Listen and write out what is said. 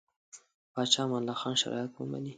پاچا امان الله خان شرایط ومني.